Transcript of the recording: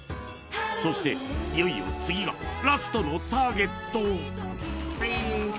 そしていよいよ次がラストのターゲット